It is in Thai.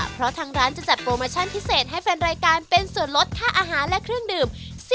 เพราะทางร้านจะจัดโปรโมชั่นพิเศษให้แฟนรายการเป็นส่วนลดค่าอาหารและเครื่องดื่ม